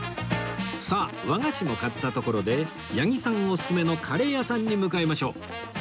さあ和菓子も買ったところで八木さんおすすめのカレー屋さんに向かいましょう